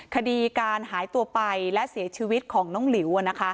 คดีการหายตัวไปและเสียชีวิตของน้องหลิว